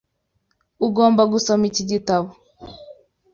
Ugomba gusoma iki gitabo.